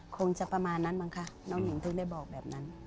คงจะประมาณนั้นมั้งคะน้องหญิงถึงได้บอกแบบนั้น